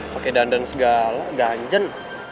pake dandan segala ganjen